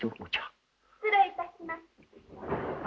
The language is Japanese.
・失礼いたします。